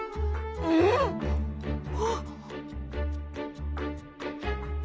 うん？あっ。